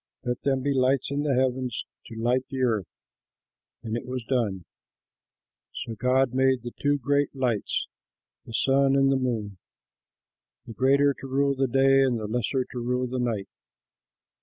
Let them be lights in the heavens to light the earth." And it was done. So God made the two great lights (the sun and the moon): the greater to rule the day and the lesser to rule the night.